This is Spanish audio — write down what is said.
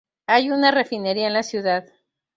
Hay una refinería en la ciudad.